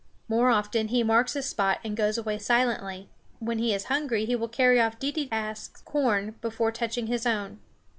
More often he marks the spot and goes away silently. When he is hungry he will carry off Deedeeaskh's corn before touching his own.